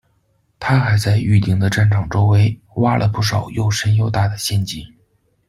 他还在预定的战场周围，挖了不少又深又大的陷井。